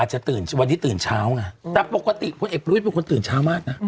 อาจจะวันนี้ตื่นเช้าแต่ปกติพนเอกบุรุฮิตจะตื่นเช้ามากนะ